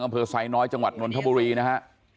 อำเภอไซน้อยจังหวัดนนทบุรีนะฮะ